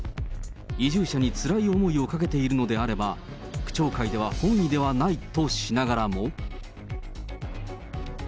移住者につらい思いをかけているのであれば、区長会では本意ではないとしながらも。